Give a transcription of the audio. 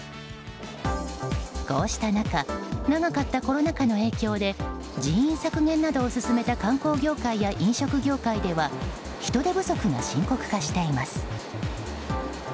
こうした中長かったコロナ禍の影響で人員削減などを進めた観光業界や飲食業界では人手不足が深刻化しています。